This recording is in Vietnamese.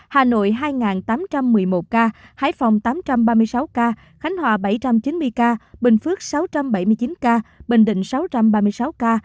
hà nội hai tám trăm một mươi một ca hải phòng tám trăm ba mươi sáu ca khánh hòa bảy trăm chín mươi ca bình phước sáu trăm bảy mươi chín ca bình định sáu trăm ba mươi sáu ca